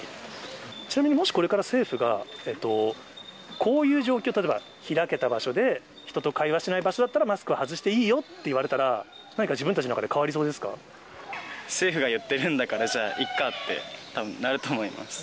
ちなみにもしこれから政府が、こういう状況、例えば開けた場所で、人と会話しない場所だったら、マスク外していいよっていわれたら、何か自分たちの中で変わりそ政府が言ってるんだから、じゃあ、いっかってたぶんなると思います。